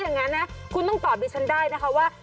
อย่างนั้นนะคุณต้องตอบดิฉันได้นะคะว่า